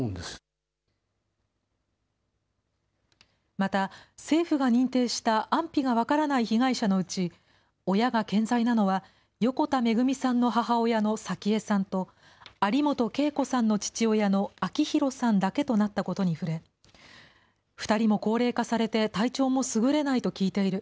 また政府が認定した安否が分からない被害者のうち、親が健在なのは、横田めぐみさんの母親の早紀江さんと、有本恵子さんの父親の明弘さんだけとなったことに触れ、２人も高齢化されて、体調もすぐれないと聞いている。